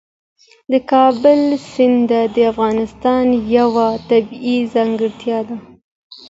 د کابل سیند د افغانستان یوه طبیعي ځانګړتیا ده.